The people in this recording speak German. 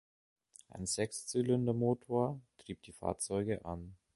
Ein Sechszylindermotor trieb die Fahrzeuge an.